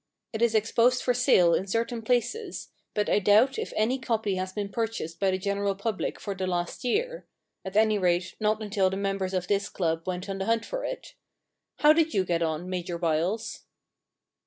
It is exposed for sale in certain places, but I doubt if any copy has been purchased by the general public for the last year — at any rate, not until the mem bers of this club went on the hunt for it. How did you get on. Major Byles